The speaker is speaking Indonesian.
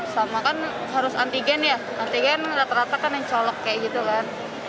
sama kan harus antigen ya antigen rata rata kan yang colok kayak gitu kan